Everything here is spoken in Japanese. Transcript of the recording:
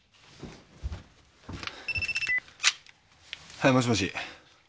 はいもしもし。